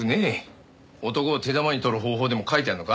男を手玉に取る方法でも書いてあんのか？